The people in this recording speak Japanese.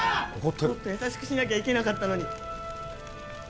もっと優しくしなきゃいけなかったのに。